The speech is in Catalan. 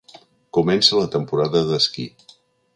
Comença la temporada d’esquí.